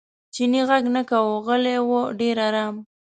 چیني غږ نه کاوه غلی و ډېر ارام.